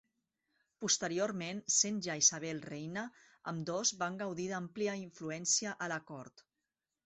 Posteriorment, sent ja Isabel reina, ambdós van gaudir d'àmplia influència a La Cort.